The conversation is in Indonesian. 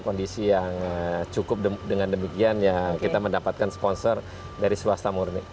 kondisi yang cukup dengan demikian ya kita mendapatkan sponsor dari swasta murni